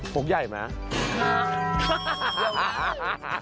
โป๊คใหญ่ไหม